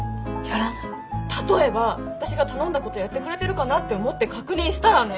例えば私が頼んだことやってくれてるかなって思って確認したらね。